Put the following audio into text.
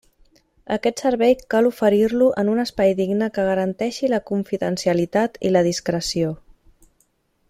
Aquest servei cal oferir-lo en un espai digne que garanteixi la confidencialitat i la discreció.